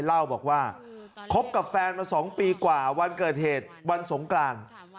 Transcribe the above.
เล่าบอกว่าคบกับแฟนมา๒ปีกว่าวันเกิดเหตุวันสงกราน